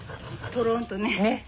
トロンとね。